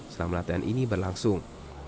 selama latihan ini berlangsung